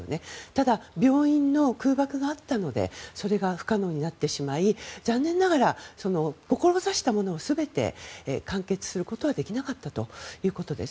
ただ、病院の空爆があったのでそれが不可能になってしまい残念ながら、志したものを全て完結することはできなかったということです。